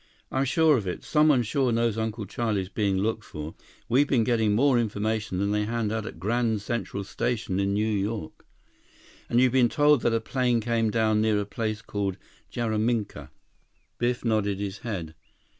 118 "I'm sure of it. Someone sure knows Uncle Charlie's being looked for. We've been getting more information than they hand out at Grand Central Station in New York." "And you've been told that a plane came down near a place called Jaraminka." Biff nodded his head.